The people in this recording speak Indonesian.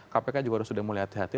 kpk juga harus sudah mulai hati hati